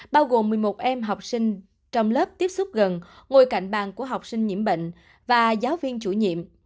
bao gồm một mươi một em học sinh trong lớp tiếp xúc gần ngồi cạnh bàn của học sinh nhiễm bệnh và giáo viên chủ nhiệm